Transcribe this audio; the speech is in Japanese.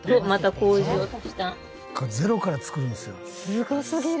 すごすぎる！